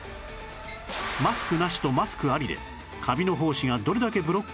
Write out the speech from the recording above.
マスクなしとマスクありでカビの胞子がどれだけブロックできるかを比較